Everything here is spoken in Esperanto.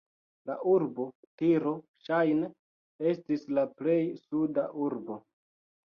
La urbo Tiro ŝajne estis la plej suda urbo.